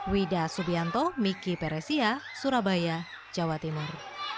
wida subianto miki peresia surabaya jawa timur